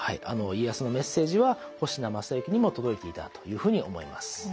家康のメッセージは保科正之にも届いていたというふうに思います。